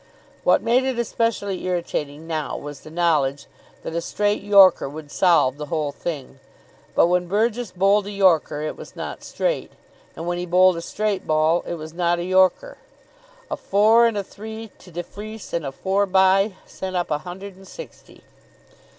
What made it especially irritating now was the knowledge that a straight yorker would solve the whole thing. But when Burgess bowled a yorker, it was not straight. And when he bowled a straight ball, it was not a yorker. A four and a three to de Freece, and a four bye sent up a hundred and sixty.